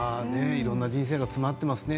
いろんな人生が詰まっていますね